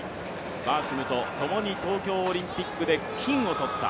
バーシムとともに東京オリンピックで金を取った。